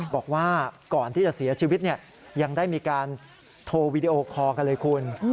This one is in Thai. บอกว่าก่อนที่จะเสียชีวิตยังได้มีการโทรวีดีโอคอลกันเลยคุณ